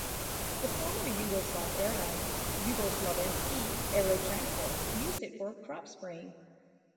The former Yugoslav Airline, Jugoslovenski Aerotransport, used it for cropspraying.